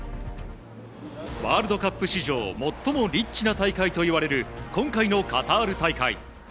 ワールドカップ史上最もリッチな大会といわれる今回のカタール大会。